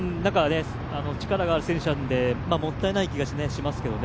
力がある選手なのでもったいない気がしますけどね。